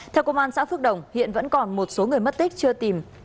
theo công an xã phước đồng hiện vẫn còn một số người mất tích chưa tìm